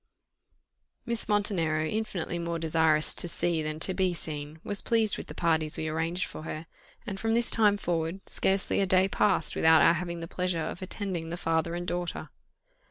Miss Montenero, infinitely more desirous to see than to be seen, was pleased with the parties we arranged for her and from this time forward, scarcely a day passed without our having the pleasure of attending the father and daughter.